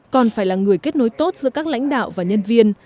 còn phải là người kết nối tốt giữa các lãnh đạo và nhân viên